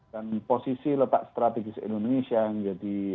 dan posisi letak strategis indonesia yang jadi